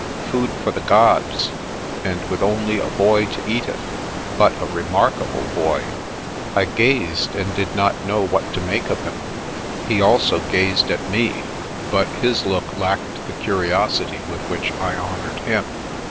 Food for the gods, and with only a boy to eat it — but a remarkable boy. I gazed, and did not know what to make of him. He also gazed at me, but his look lacked the curiosity with which I honoured him.